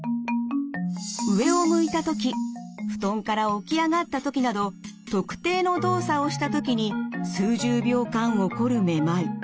上を向いたとき布団から起き上がったときなど特定の動作をしたときに数十秒間起こるめまい。